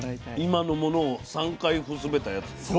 今のものを３回ふすべたやつでしょ？